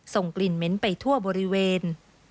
ส่งกลิ่นเหม็นไปทั่วบริเวณ